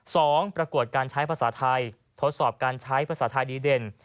ประกวดการใช้ภาษาไทยทดสอบการใช้ภาษาไทยดีเด่น